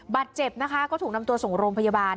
เจ็บนะคะก็ถูกนำตัวส่งโรงพยาบาล